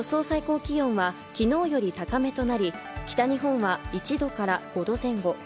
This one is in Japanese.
最高気温はきのうより高めとなり、北日本は１度から５度前後。